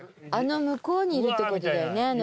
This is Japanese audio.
あの向こうにいるってことだよね